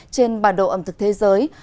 trên bà độ ẩm thực thế giới